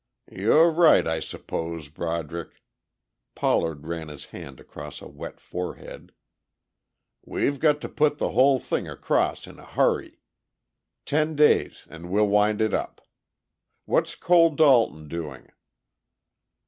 "You're right, I suppose, Broderick." Pollard ran his hand across a wet forehead. "We've got to put the whole thing across in a hurry. Ten days, and we'll wind it up.... What's Cole Dalton doing?"